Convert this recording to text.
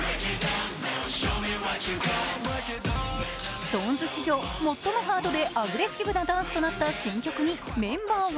ＳｉｘＴＯＮＥＳ史上最もハードでアグレッシブなダンスとなった新曲にメンバーは